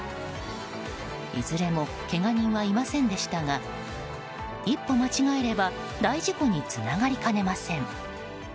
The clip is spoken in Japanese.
いずれもけが人はいませんでしたが一歩間違えれば大事故につながりかねません。